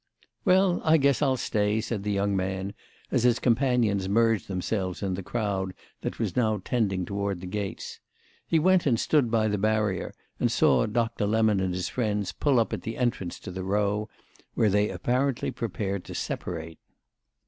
"Well, I guess I'll stay," said the young man as his companions merged themselves in the crowd that now was tending toward the gates. He went and stood by the barrier and saw Doctor Lemon and his friends pull up at the entrance to the Row, where they apparently prepared to separate.